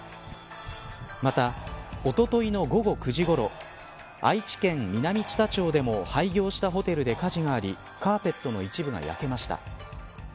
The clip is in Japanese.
また、おとといの午後９時ごろ愛知県南知多町でも廃業したホテルで火事がありカーペットの一部が焼けました。